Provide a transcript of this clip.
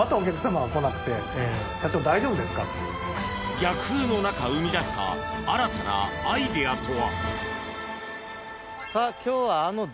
逆風の中、生み出した新たなアイデアとは？